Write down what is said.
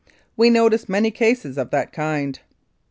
We noticed many cases of that kind.